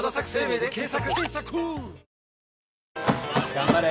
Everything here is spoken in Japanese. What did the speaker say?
頑張れ。